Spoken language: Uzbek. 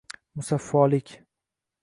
Musaffolik